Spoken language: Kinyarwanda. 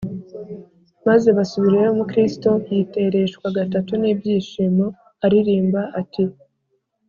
Maze basubirayo Mukristo yitereshwa gatatu n’ibyishimo aririmba ati: